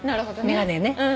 眼鏡ね。